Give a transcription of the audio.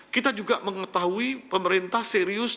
kita juga mengetahui pemerintah serius